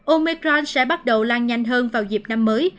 omecron sẽ bắt đầu lan nhanh hơn vào dịp năm mới